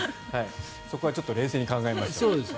そこは冷静に考えましょう。